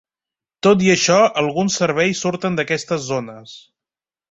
Tot i això, alguns serveis surten d'aquestes zones.